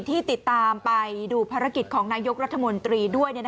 ที่ติดตามไปดูภารกิจของนายกรัฐมนตรีด้วย